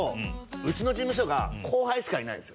うちの事務所が後輩しかいないんですよ